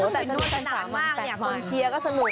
แต่ถ้านานมากคนเชียร์ก็สรุป